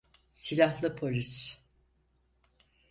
Silahlı polis!